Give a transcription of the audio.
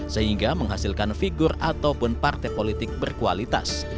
sehingga menghasilkan figur ataupun partai politik berkualitas